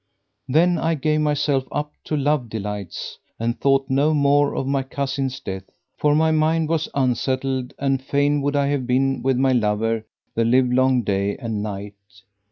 Then I gave myself up to love delights and thought no more of my cousin's death: for my mind was unsettled and fain would I have been with my lover the livelong day and night.